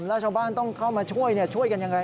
แล้วชาวบ้านต้องเข้ามาช่วยช่วยกันอย่างไร